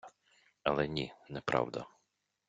Але ні, неправда.